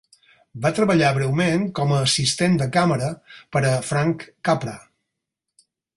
Va treballar breument com a assistent de càmera per a Frank Capra.